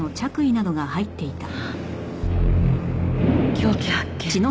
凶器発見。